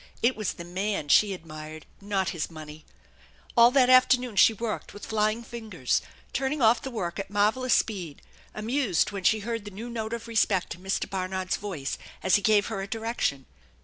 It was the man she admired, not his money. All that afternoon she worked with flying fingers, turning off the work at marvellous speed, amused when she heard the new note of respect in Mr. Barnard's voice as he gave her a direction.